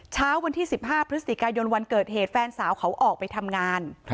เช้าวันที่๑๕พฤศจิกายนวันเกิดเหตุแฟนสาวเขาออกไปทำงาน